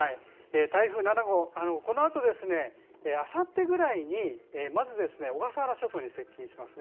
台風７号、このあとあさってぐらいにまず、小笠原諸島に接近します。